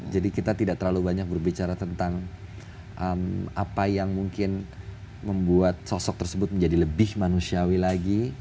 jadi kita tidak terlalu banyak berbicara tentang apa yang mungkin membuat sosok tersebut menjadi lebih manusiawi lagi